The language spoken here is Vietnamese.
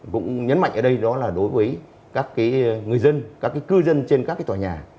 cũng nhấn mạnh ở đây đó là đối với các người dân các cư dân trên các tòa nhà